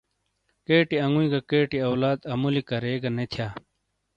کیٹی انگُوئی گہ کیٹی اولاد اَمُولی کَرے گہ نے تِھیا۔